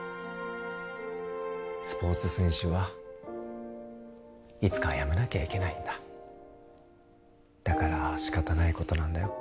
スポーツ選手はいつかは辞めなきゃいけないんだだから仕方ないことなんだよ